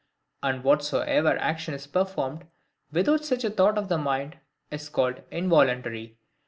And whatsoever action is performed without such a thought of the mind, is called INVOLUNTARY.